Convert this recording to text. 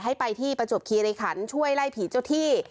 ให้ไปที่ประจวบคีริขันช่วยไล่ผีเจ้าที่